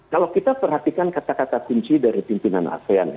kalau kita perhatikan kata kata kunci dari pimpinan asean